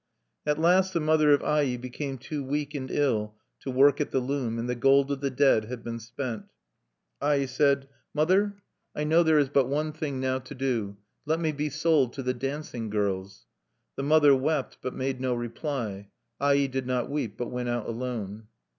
At last the mother of Ai became too weak and ill to work at the loom; and the gold of the dead had been spent. Ai said: "Mother, I know there is but one thing now to do. Let me be sold to the dancing girls." The mother wept, and made no reply. Ai did not weep, but went out alone.